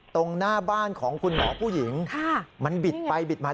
ตรงหน้าบ้านของคุณหมอผู้หญิงมันบิดไปบิดมา